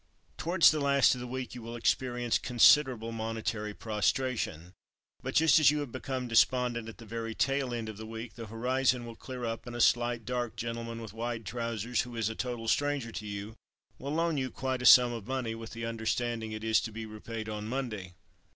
"Towards the last of the week you will experience considerable monetary prostration, but just as you have become despondent, at the very tail end of the week, the horizon will clear up and a slight, dark gentleman, with wide trousers, who is a total stranger to you, will loan you quite a sum of money, with the understanding that it is to be repaid on Monday."